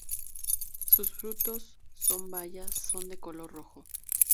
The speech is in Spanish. Sus frutos son bayas son de color rojo.